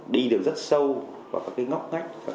đi được rất sâu vào các cái ngóc ngách